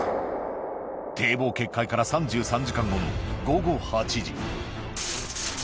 堤防決壊から３３時間後の午後８時。